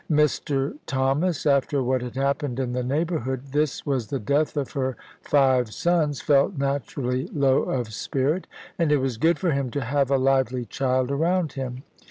Mr Thomas, after what had happened in the neighbourhood this was the death of her five sons felt naturally low of spirit; and it was good for him to have a lively child around him.